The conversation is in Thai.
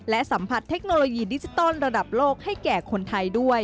และสัมผัสเทคโนโลยีดิจิตอลระดับโลกให้แก่คนไทยด้วย